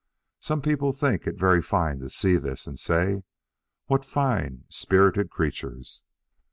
Some people think it very fine to see this, and say, "What fine, spirited creatures!"